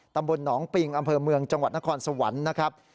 ตำบลหนองปิงอำเภอเมืองจังหวัดนครสวรรค์นะครับ